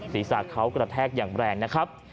ศีรษะเขากระแทกอย่างแรงนะครับ